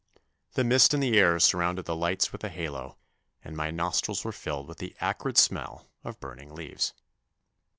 The mist in the air surrounded the lights with a halo, and my nostrils were filled with the acrid smell of burning leaves.